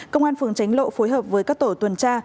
công an phường tránh lộ phối hợp với các tổ tuần tra